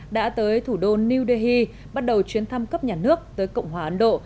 đã tới thủ đô new delhi bắt đầu chuyến thăm cấp nhà nước tới cộng hòa ấn độ